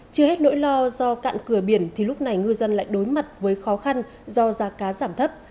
chưa hết nỗi lo do cạn cửa biển thì lúc này ngư dân lại đối mặt với khó khăn do giá cá giảm thấp